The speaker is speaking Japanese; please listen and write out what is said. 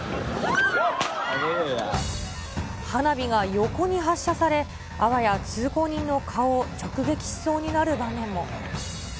花火が横に発射され、あわや通行人の顔を直撃しそうになる場面も。